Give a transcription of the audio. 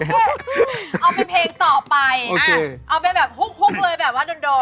เอาเป็นเพลงต่อไปเอาไปแบบฮุกเลยแบบว่าโดน